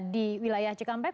di wilayah cikampek